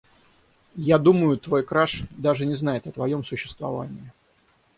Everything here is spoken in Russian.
Я думаю, твой краш даже не знает о твоём существовании.